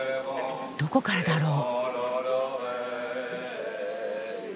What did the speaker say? どこからだろう？